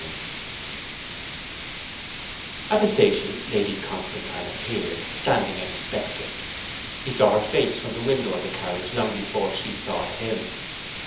XIX At the station Lady Constantine appeared, standing expectant; he saw her face from the window of the carriage long before she saw him.